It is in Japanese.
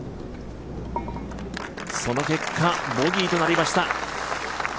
その結果、ボギーとなりました。